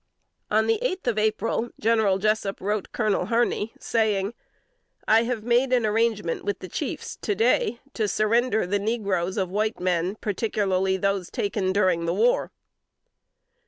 On the eighth of April, General Jessup wrote Colonel Harney, saying, "I have made an arrangement with the chiefs to day to surrender the negroes of white men, particularly those taken during the war."